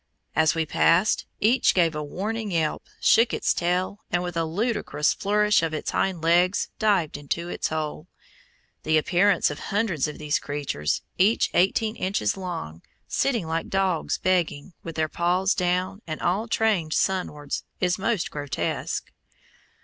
As we passed, each gave a warning yelp, shook its tail, and, with a ludicrous flourish of its hind legs, dived into its hole. The appearance of hundreds of these creatures, each eighteen inches long, sitting like dogs begging, with their paws down and all turned sunwards, is most grotesque.